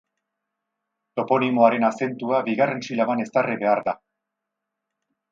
Toponimoaren azentua bigarren silaban ezarri behar da.